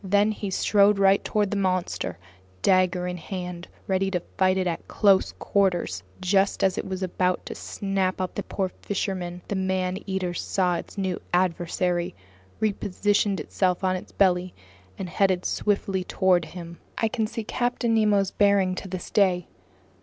Then he strode right toward the monster, dagger in hand, ready to fight it at close quarters. Just as it was about to snap up the poor fisherman, the man eater saw its new adversary, repositioned itself on its belly, and headed swiftly toward him. I can see Captain Nemo's bearing to this day.